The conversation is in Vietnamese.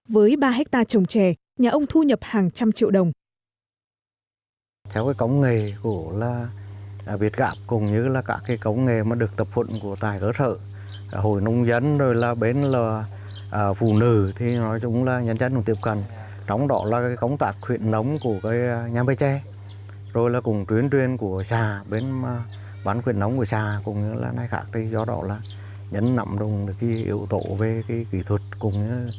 với ba hectare trồng trè nhà ông thu nhập hàng trăm triệu đồng